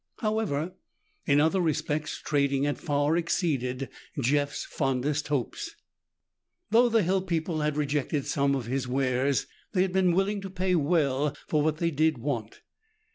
However, in other respects, trading had far exceeded Jeff's fondest hopes. Though the hill people had rejected some of his wares, they had been willing to pay well for what they did want.